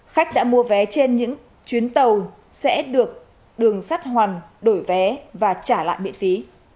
khách đã mua vé trên những chuyến tàu sẽ được đường sắt hoàn đổi vé và trả lại miễn phí